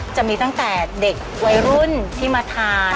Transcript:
จะมีตั้งแต่เด็กวัยรุ่นที่มาทาน